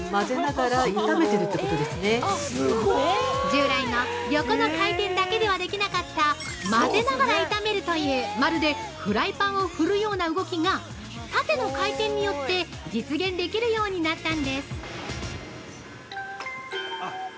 従来の横の回転だけではできなかった、混ぜながら炒めるというまるでフライパンをふるような動きが縦の回転によって実現できるようになったんです。